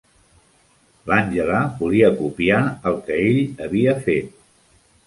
L'Àngela volia copiar el que ell havia fet.